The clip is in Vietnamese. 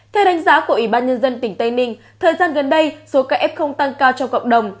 theo đánh giá của ủy ban nhân dân tỉnh tây ninh thời gian gần đây số ca f tăng cao trong cộng đồng